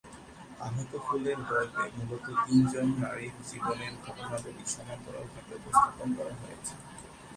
আহত ফুলের গল্পে মূলত তিনজন নারীর জীবনের ঘটনাবলি সমান্তরাল ভাবে উপস্থাপন করা হয়েছে।